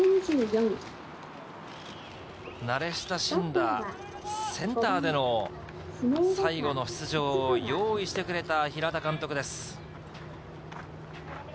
慣れ親しんだセンターでの最後の出場を用意してくれた平田監督です